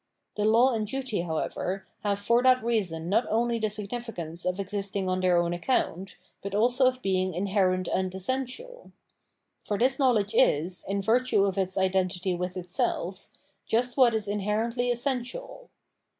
The law and duty, however,' have for that reason not only the significance of existing on their own account, but also of being iuherent and essential ; for this knowledge is, in virtue of its identity with itself, just what is inherently essen tial.